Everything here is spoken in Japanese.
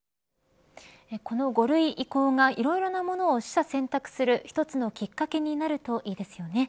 この５類移行がいろいろなものを取捨選択する１つのきっかけになるといいですよね。